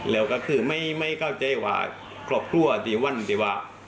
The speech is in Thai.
แล้วก็คือไม่เข้าใจว่าครอบครัวดีวันดีว่า